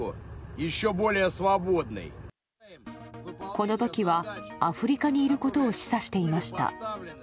この時はアフリカにいることを示唆していました。